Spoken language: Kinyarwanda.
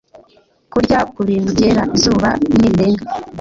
kurya ku bintu byera izuba nirirenga